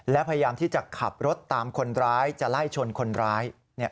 และพยายามที่จะขับรถตามคนร้ายจะไล่ชนคนร้าย